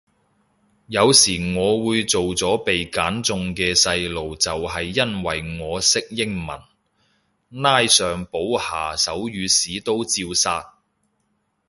有時我會做咗被揀中嘅細路就係因為我識英文，拉上補下手語屎都照殺